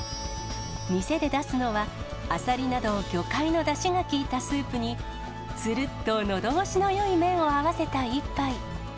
店で出すのは、あさりなど、魚介のだしが効いたスープに、つるっとのどごしのよい麺を合わせた一杯。